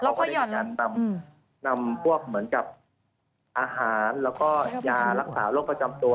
แล้วพ่อยหย่อนเอออืมนำพวกเหมือนกับอาหารแล้วก็ยาลักษาโรคประจำตัว